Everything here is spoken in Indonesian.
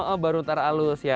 oh baru terhalus ya